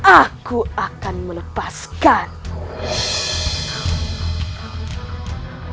aku akan melepaskanmu